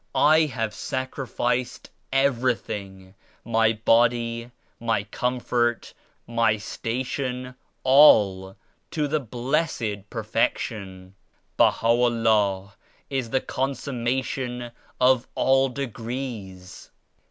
I have sacrificed every thing — my body, my comfort, my Station, all — to the Blessed Perfection. BahaVllah is the consummation of all degrees.